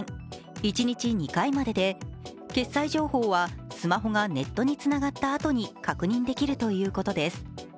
一日２回までで決済情報はスマホがネットにつながったあとに確認できるということです。